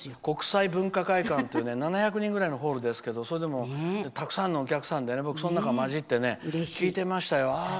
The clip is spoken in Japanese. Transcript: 国際文化会館っていう７００人ぐらいのホールですけどそれでもたくさんのお客さんでその中、交じって聴いてましたよ。